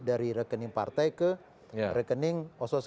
dari rekening partai ke rekening osos sekuritas